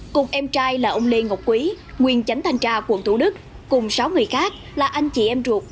cùng em trai là ông lê ngọc quý nguyên chánh thanh tra quận thủ đức cùng sáu người khác là anh chị em ruột